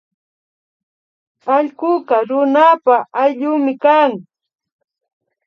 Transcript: Allkuka runapa ayllumi kan